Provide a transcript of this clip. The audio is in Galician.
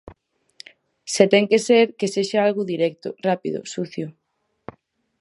Se ten que ser, que sexa algo directo, rápido, sucio.